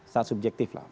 saat subjektif lah